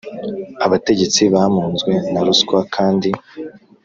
Abategetsi bamunzwe na ruswa kandi